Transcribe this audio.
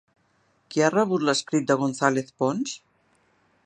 Qui ha rebut l'escrit de González Pons?